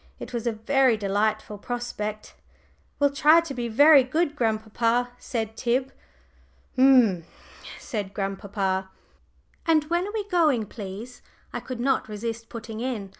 It was a very delightful prospect. "We'll try to be very good, grandpapa," said Tib. "Umph!" said grandpapa. "And when are we going, please?" I could not resist putting in.